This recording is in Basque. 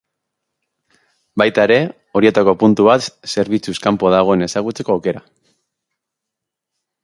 Baita ere, horietako puntu bat zerbitzuz kanpo dagoen ezagutzeko aukera.